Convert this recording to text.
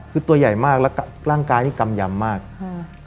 คือตัวใหญ่มากแล้วร่างกายนี่กำยำมากอืม